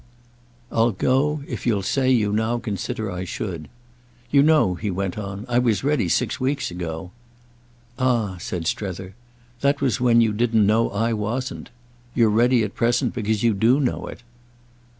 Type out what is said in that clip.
"I'll go if you'll say you now consider I should. You know," he went on, "I was ready six weeks ago." "Ah," said Strether, "that was when you didn't know I wasn't! You're ready at present because you do know it."